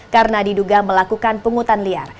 karena diduga melakukan penghutan liar